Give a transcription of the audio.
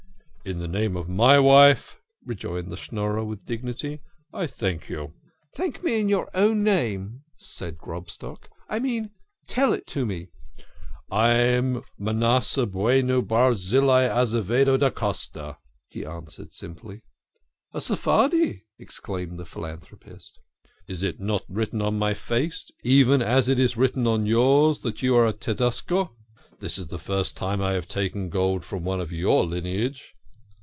" In the name of my wife," rejoined the Schnorrer with dignity, " I thank you." " Thank me in your own name," said Grobstock. " I mean tell it me." " I am Manasseh Bueno Barzillai Azevedo da Costa," he answered simply. " A Sephardi !" exclaimed the philanthropist. " Is it not written on my face, even as it is written on yours that you are a Tedesco ? It is the first time that I have taken gold from one of your lineage."